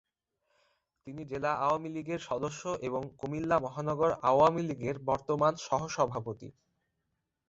তিনি জেলা আওয়ামী লীগের সদস্য এবং কুমিল্লা মহানগর আওয়ামী লীগের বর্তমান সহসভাপতি।